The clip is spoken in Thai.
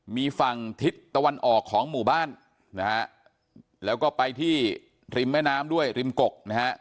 มีฝั่งทิศตะวันออกของหมู่บ้านนะฮะแล้วก็ไปที่ริมแม่น้ำด้วยริมกกนะฮะ